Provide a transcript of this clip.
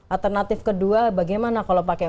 alternatif kedua bagaimana kalau pakai